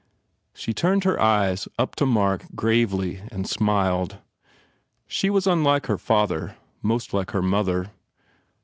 She turned her eyes up to Mark gravely and smiled. She was unlike her father, most like her mother.